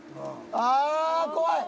ああ怖い。